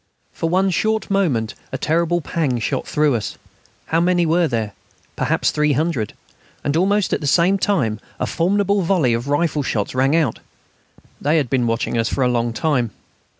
For one short moment a terrible pang shot through us. How many were there? Perhaps 300. And almost at the same time a formidable volley of rifle shots rang out. They had been watching us for a long time.